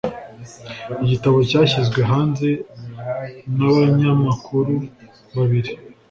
Igitabo cyashyizwe hanze n’abanyamakuru babiri